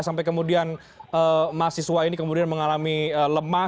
sampai kemudian mahasiswa ini kemudian mengalami lemah